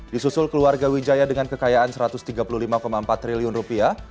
disusul keluarga wijaya dengan kekayaan satu ratus tiga puluh lima empat triliun rupiah